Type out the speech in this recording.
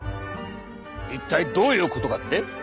一体どういうことかって？